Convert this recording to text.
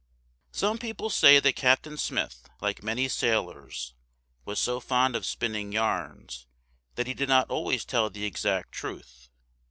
Some people say that Captain Smith, like many sailors, was so fond of spinning yarns that he did not always tell the exact truth.